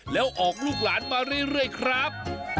แล้วออกลูกหลานมาเรื่อยครับ